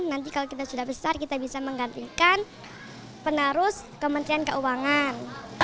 nanti kalau kita sudah besar kita bisa menggantikan penarus kementerian keuangan